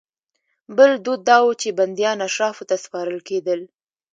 بل دود دا و چې بندیان اشرافو ته سپارل کېدل.